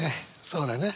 そうだね。